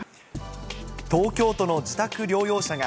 東京都の自宅療養者が、